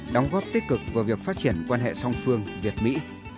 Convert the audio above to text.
đóng góp tích cực vào việc phát triển quan hệ song phương việt mỹ